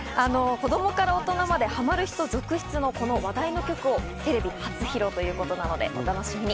子供から大人までハマる人続出のこの話題の曲をテレビ初披露ということなのでお楽しみに。